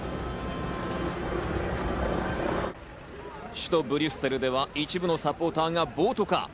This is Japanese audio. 首都ブリュッセルでは、一部のサポーターが暴徒化。